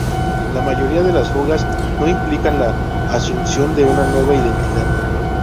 La mayoría de las fugas no implican la asunción de una nueva identidad.